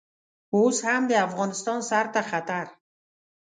اوس هم د افغانستان سر ته خطر.